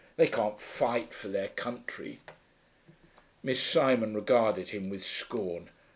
They can't fight for their country.' Miss Simon regarded him with scorn.